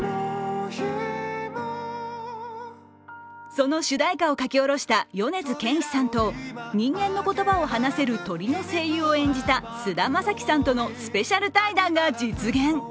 その主題歌を書き下ろした米津玄師さんと人間の言葉を話せる鳥の声優を演じた菅田将暉さんとのスペシャル対談が実現。